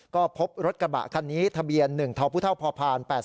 ก็พบรถกระบะคันนี้ทะเบียน๑ทพ๘๔